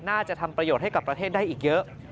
น่าจะทำประโยชน์ให้กับประเทศได้อีกเยอะ